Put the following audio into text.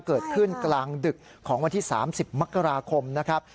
เกิดขึ้นกลางดึกของวันที่๓๐มกราคมนะครับ